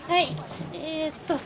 えっと